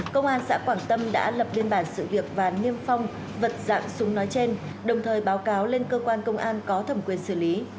công an xã quảng tâm đã lập biên bản sự việc và niêm phong vật dạng súng nói trên đồng thời báo cáo lên cơ quan công an có thẩm quyền xử lý